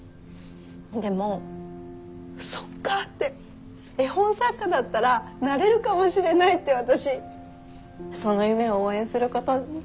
でもそっかって絵本作家だったらなれるかもしれないって私その夢を応援することにして。